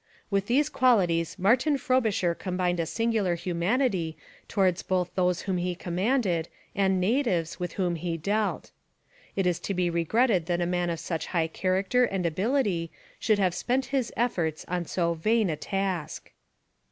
With these qualities Martin Frobisher combined a singular humanity towards both those whom he commanded and natives with whom he dealt. It is to be regretted that a man of such high character and ability should have spent his efforts on so vain a task.